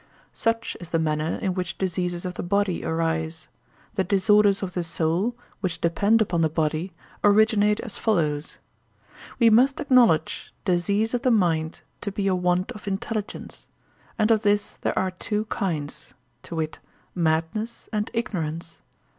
Such is the manner in which diseases of the body arise; the disorders of the soul, which depend upon the body, originate as follows. We must acknowledge disease of the mind to be a want of intelligence; and of this there are two kinds; to wit, madness and ignorance.